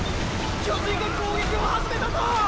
巨人が攻撃を始めたぞ！